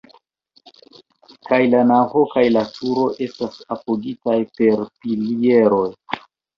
Kaj la navo kaj la turo estas apogitaj per pilieroj.